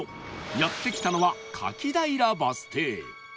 やって来たのは柿平バス停